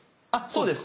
そうです。